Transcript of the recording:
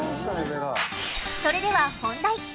それでは本題。